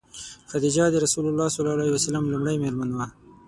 خدیجه د رسول الله ﷺ لومړنۍ مېرمن وه.